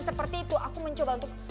seperti itu aku mencoba untuk